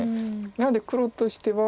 なので黒としては。